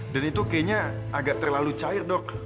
dan itu kayaknya agak terlalu cair dok